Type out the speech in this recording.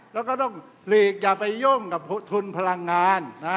แล้วก็ต้องหลีกอย่าไปยุ่งกับทุนพลังงาน